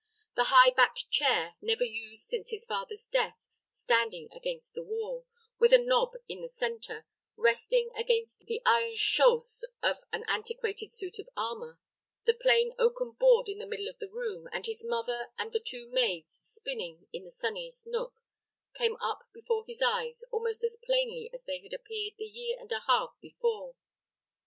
The high backed chair, never used since his father's death, standing against the wall, with a knob in the centre, resting against the iron chausses of an antiquated suit of armor, the plain oaken board in the middle of the room, and his mother and the two maids spinning in the sunniest nook, came up before his eyes almost as plainly as they had appeared the year and a half before.